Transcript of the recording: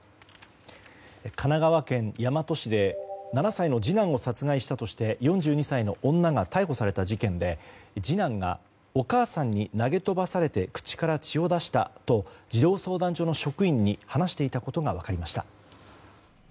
神奈川県大和市で７歳の次男を殺害したとして４２歳の女が逮捕された事件で次男がお母さんに投げ飛ばされて口から血を出したと児童相談所の職員に話していたことが分かりました。